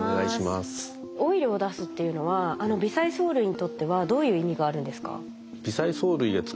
オイルを出すっていうのは微細藻類にとってはどういう意味があるんですか？